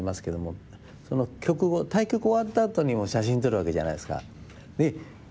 その局後対局終わったあとにも写真撮るわけじゃないですか。